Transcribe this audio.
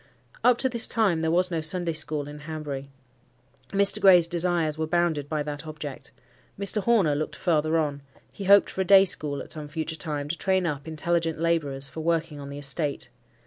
Up to this time there was no Sunday school in Hanbury. Mr. Gray's desires were bounded by that object. Mr. Horner looked farther on: he hoped for a day school at some future time, to train up intelligent labourers for working on the estate.